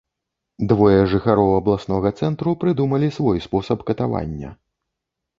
Двое жыхароў абласнога цэнтру прыдумалі свой спосаб катавання.